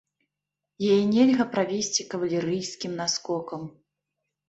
Яе нельга правесці кавалерыйскім наскокам.